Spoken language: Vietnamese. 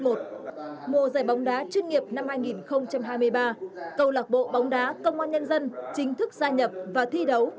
mùa giải bóng đá chuyên nghiệp năm hai nghìn hai mươi ba cầu lạc bộ bóng đá công an nhân dân chính thức gia nhập và thi đấu